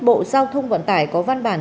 bộ giao thông quản tải có văn bản